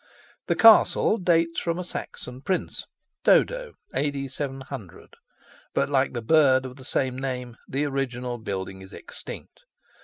The castle dates from a Saxon prince, Dodo, A.D. 700; but, like the bird of the same name, the original building is extinct.